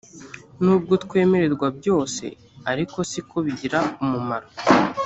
nubwo twemererwa byose ariko siko bigira umumaro